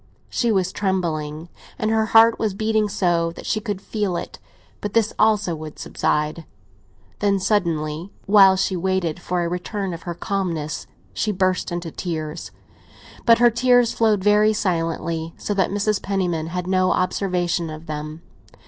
She was trembling, and her heart was beating so that she could feel it; but this also would subside. Then, suddenly, while she waited for a return of her calmness, she burst into tears. But her tears flowed very silently, so that Mrs. Penniman had no observation of them.